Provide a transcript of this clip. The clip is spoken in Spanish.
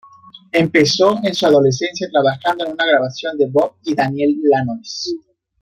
Empezó en su adolescencia trabajando en una grabación con Bob y Daniel Lanois.